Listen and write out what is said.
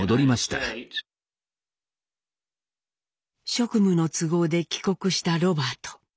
職務の都合で帰国したロバート。